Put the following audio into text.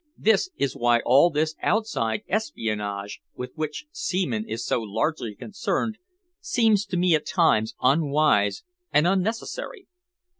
This is why all this outside espionage with which Seaman is so largely concerned seems to me at times unwise and unnecessary."